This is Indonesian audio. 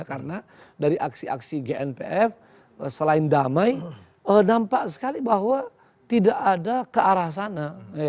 karena dari aksi aksi gnpf selain damai nampak sekali bahwa tidak ada kearah sana